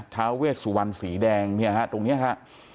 ท้าเวชสุวรรณสีแดงเนี่ยฮะตรงนี้ฮะ